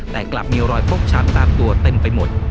แต่กลับมีรอยฟกช้ำตามตัวเต็มไปหมด